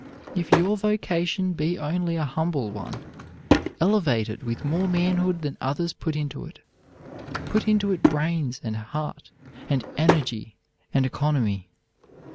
If your vocation be only a humble one, elevate it with more manhood than others put into it. Put into it brains and heart and energy and economy.